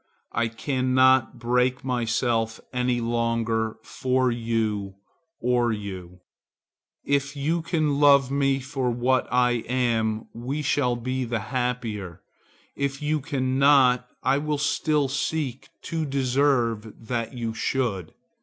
I cannot break myself any longer for you, or you. If you can love me for what I am, we shall be the happier. If you cannot, I will still seek to deserve that you should.